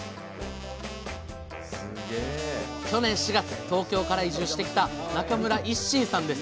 去年４月東京から移住してきた中村一心さんです。